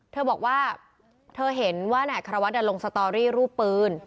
เธอบอกว่าเธอเห็นว่านายอัครวัฒน์ลงสตอรี่รูปปืน